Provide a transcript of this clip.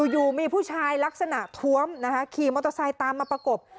อยู่มีผู้ชายลักษณะท้วมนะคะขี่มอเตอร์ไซค์ตามมาประกบ